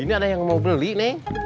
ini ada yang mau beli nih